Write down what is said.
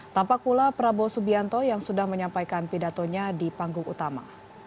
tampak pula prabowo subianto yang sudah menyampaikan pidatonya di panggung utama